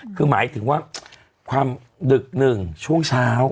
คือหมายถึงว่าความดึกหนึ่งช่วงเช้า